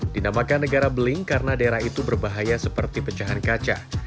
dinamakan negara beling karena daerah itu berbahaya seperti pecahan kaca